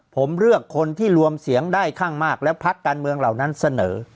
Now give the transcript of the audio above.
ผมเลือกคนที่รวมเสียงได้ข้างมากและพักการเมืองเหล่านั้นเสนอ